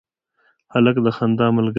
هلک د خندا ملګری دی.